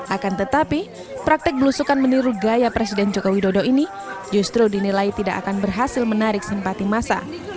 akan tetapi praktek belusukan meniru gaya presiden joko widodo ini justru dinilai tidak akan berhasil menarik simpati masa